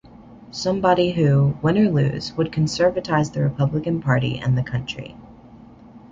Somebody who, win or lose, would conservatize the Republican party and the country.